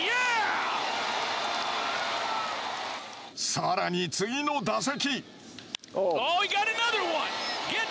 さらに次の打席。